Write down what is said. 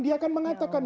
dia kan mengatakan